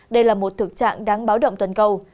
đây là một thực trạng đáng báo động toàn cầu